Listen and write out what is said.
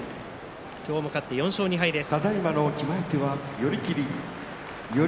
今日も勝って４勝２敗です。